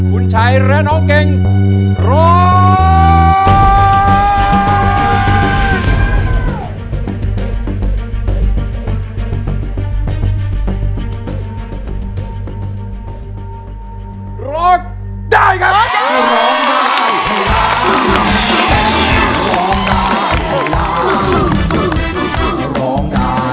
คุณชัยและน้องเก่งร้อง